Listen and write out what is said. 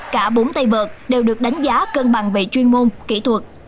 cả bốn tay vật đều được đánh giá cân bằng về chuyên môn kỹ thuật